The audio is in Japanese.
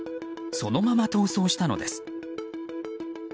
そのまま逃走したのです。